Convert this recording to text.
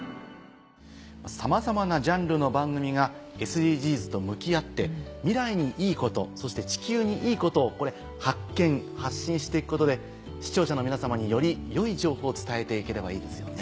さまざまなジャンルの番組がＳＤＧｓと向き合って未来にいいことそして地球にいいことを発見発信して行くことで視聴者の皆様により良い情報を伝えて行ければいいですよね。